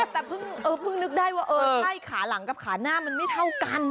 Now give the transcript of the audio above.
แต่เพิ่งนึกได้ว่าเออใช่ขาหลังกับขาหน้ามันไม่เท่ากัน